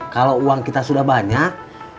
kalau uang kita sudah banyak